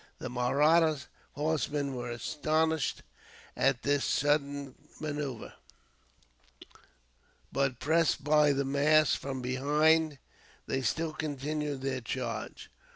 The Mahratta horsemen were astonished at this sudden manoeuvre; but, pressed by the mass from behind, they still continued their charge.